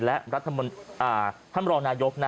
ท่านรองนายก